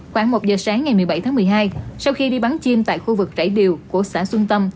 khoảng một giờ sáng ngày một mươi bảy tháng một mươi hai sau khi đi bắn chim tại khu vực trãi điều của xã xuân tâm